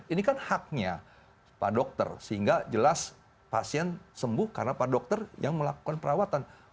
ini kan haknya pak dokter sehingga jelas pasien sembuh karena pak dokter yang melakukan perawatan